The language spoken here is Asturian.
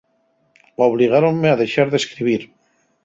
Obligáronme a dexar d'escribir.